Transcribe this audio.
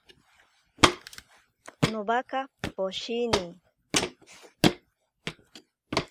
Nowaka poshini.